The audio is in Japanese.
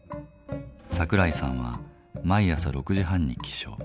桜井さんは毎朝６時半に起床。